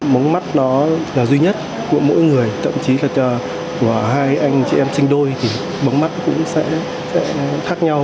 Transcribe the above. mống mắt đó là duy nhất của mỗi người thậm chí là cho hai anh chị em sinh đôi thì mống mắt cũng sẽ thác nhau